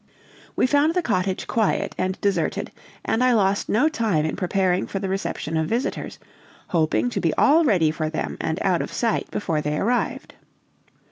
We found the cottage quiet and deserted; and I lost no time in preparing for the reception of visitors, hoping to be all ready for them and out of sight before they arrived.